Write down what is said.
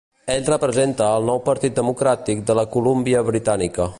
Ell representa al Nou Partit Democràtic de la Colúmbia Britànica.